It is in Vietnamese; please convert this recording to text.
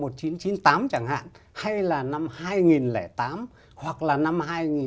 thời điểm năm một nghìn chín trăm chín mươi tám chẳng hạn hay là năm hai nghìn tám hoặc là năm hai nghìn một mươi một